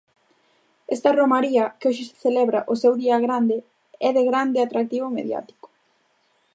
Esta romaría, que hoxe celebra o seu día grande, é de grande atractivo mediático.